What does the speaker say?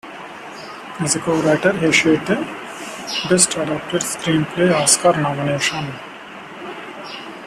As a co-writer, he shared a "Best Adapted Screenplay" Oscar nomination.